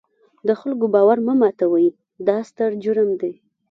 د خلکو باور مه ماتوئ، دا ستر جرم دی.